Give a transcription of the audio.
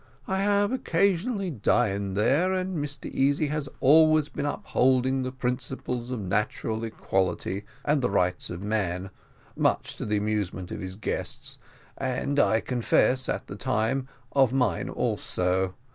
I have occasionally dined there, and Mr Easy has always been upholding the principles of natural equality and of the rights of man, much to the amusement of his guests, and I confess, at the time, of mine also.